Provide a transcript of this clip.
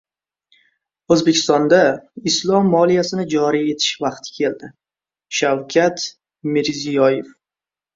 O‘zbekistonda islom moliyasini joriy etish vaqti keldi — Shavkat Mirziyoyev